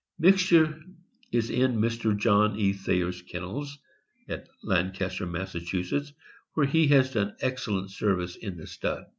Mixture is in Mr. John E. Thayer's kennels, at Lancaster, Mass., where he has done excellent service in the stud.